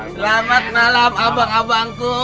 selamat malam abang abangku